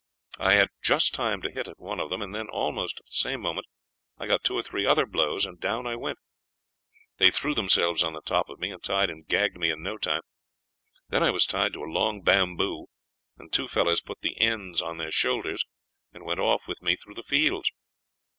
I had just time to hit at one of them, and then almost at the same moment I got two or three other blows, and down I went; they threw themselves on the top of me and tied and gagged me in no time. Then I was tied to a long bamboo, and two fellows put the ends on their shoulders and went off with me through the fields.